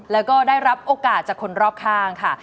แล้วก็ได้รับโอกาสจากคนรอบข้างค่ะ